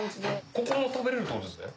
ここも食べれるってことですね？